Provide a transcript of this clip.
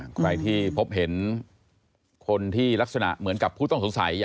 ใครที่พบเห็นคนที่ลักษณะเหมือนกับผู้ต้องสงสัย